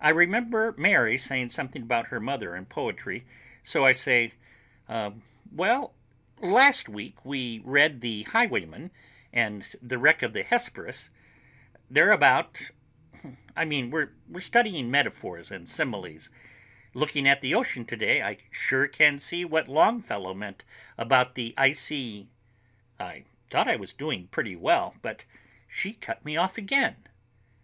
I remember Mary saying something about her mother and poetry, so I say, "Well, uh—last week we read 'The Highwayman' and 'The Wreck of the Hesperus.' They're about—I mean, we were studying metaphors and similes. Looking at the ocean today, I sure can see what Longfellow meant about the icy...." I thought I was doing pretty well, but she cut me off again.